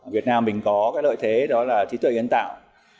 việt nam mình có cái lợi thế đó là trí tuệ nhân tạo